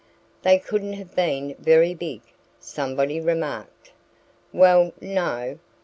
"They couldn't have been very big," somebody remarked. "Well no!"